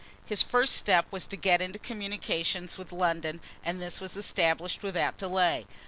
His first step was to get into communication with London and this was established without delay.